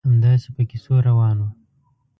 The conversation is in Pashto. همداسې په کیسو روان وو.